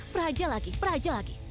peraja lagi peraja lagi